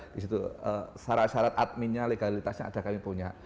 masyarakat adminnya legalitasnya ada kami punya